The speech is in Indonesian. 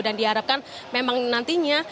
dan diharapkan memang nantinya